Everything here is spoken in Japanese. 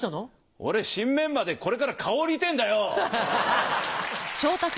俺新メンバーでこれから顔売りてぇんだよ！